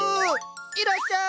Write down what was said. いらっしゃい！